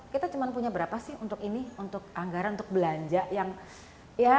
kita cuma punya berapa sih untuk ini untuk anggaran untuk belanja yang ya